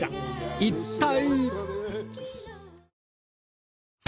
一体！？